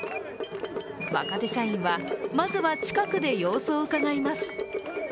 若手社員は、まずは近くで様子をうかがいます。